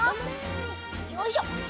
よいしょ！